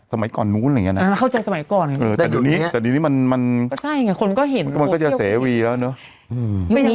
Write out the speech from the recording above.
สมัยก่อนนู้นอะไรอย่างนี้นะแต่อยู่นี้มันก็จะเสียวีแล้วนึก